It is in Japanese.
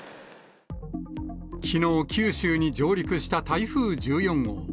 きのう、九州に上陸した台風１４号。